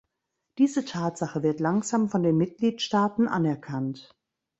Diese Tatsache wird langsam von den Mitgliedstaaten anerkannt.